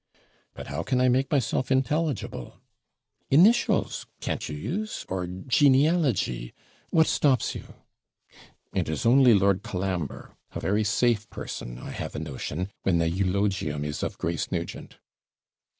'But how can I make myself intelligible?' 'Initials can't you use or genealogy? What stops you? 'It is only Lord Colambre, a very safe person, I have a notion, when the eulogium is of Grace Nugent.'